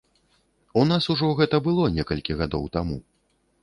У нас ужо гэта было некалькі гадоў таму.